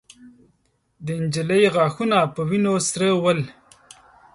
د نجلۍ غاښونه په وينو سره ول.